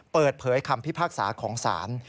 เปิดเผยคำพิพากษาของศาล